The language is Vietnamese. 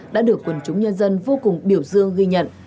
đã được quần chúng nhân dân vô cùng biểu dương ghi nhận